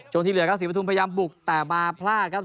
ที่เหลือครับศรีประทุมพยายามบุกแต่มาพลาดครับ